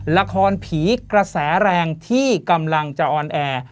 ละครผีกระแสแรงที่กำลังจะออนแอร์